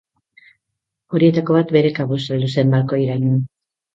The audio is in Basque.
Horietako bat bere kabuz heldu zen balkoiraino.